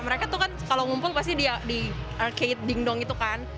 mereka tuh kan kalau ngumpul pasti di arcade dingdong itu kan